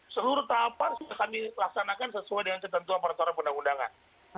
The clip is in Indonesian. seluruh tahapan sudah kami laksanakan sesuai dengan tertentu perintah perintah undangan